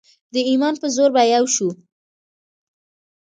د ایمان په زور به یو شو.